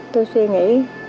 tôi suy nghĩ